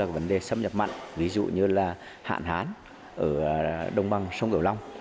vấn đề xâm nhập mặn ví dụ như là hạn hán ở đông băng sông kiểu long